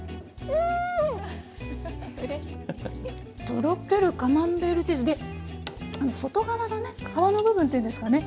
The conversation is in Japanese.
とろけるカマンベールチーズで外側のね皮の部分っていうんですかね